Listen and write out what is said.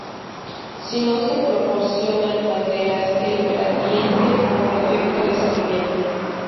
Si no se proporcionan banderas, el gradiente por defecto es lineal.